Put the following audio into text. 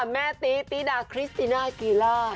แม่ตีตีด่าคริสติน่ากิล่า